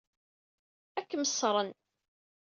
Ad kem-ṣṣren.